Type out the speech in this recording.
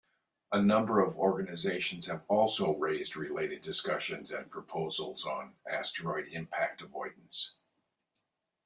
A number of organizations have also raised related discussions and proposals on asteroid-impact avoidance.